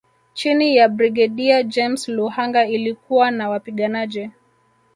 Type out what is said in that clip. Chini ya Brigedia James Luhanga ilikuwa na wapiganaji